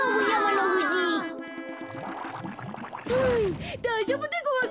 ふうだいじょうぶでごわす。